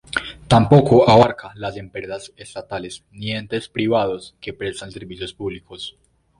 Tampoco abarca las empresas estatales ni entes privados que prestan servicios públicos.